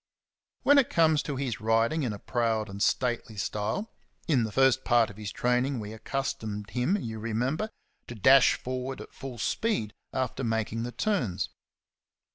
When it comes to his riding in a proud and stately style, — in the first part of his training we accustomed him, you remember, to dash forward at full speed after making the turns.